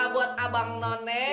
buat abang none